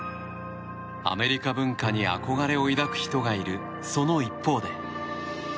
アメリカ文化に憧れを抱く人がいるその一方で。